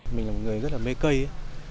mình là một người rất tốt rất tốt rất tốt rất tốt